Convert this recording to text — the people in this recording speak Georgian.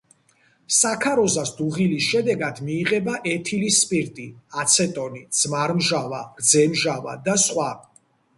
საქაროზას დუღილის შედეგად მიიღება ეთილის სპირტი, აცეტონი, ძმარმჟავა, რძემჟავა და სხვა.